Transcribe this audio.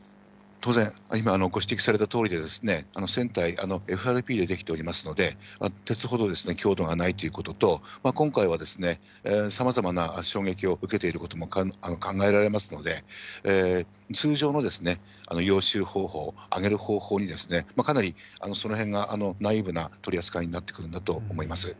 当然、今ご指摘されたとおりで、船体、ＦＲＰで出来ておりますので、鉄ほど強度がないということと、今回は、さまざまな衝撃を受けていることも考えられますので、通常の揚収方法、揚げる方法に、かなりそのへんがナイーブな取り扱いになってくるんだと思います。